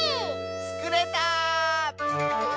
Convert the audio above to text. つくれた！